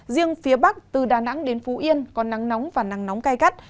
riêng phía bắc từ đà nẵng đến phú yên có nắng nóng và nắng nóng cay cắt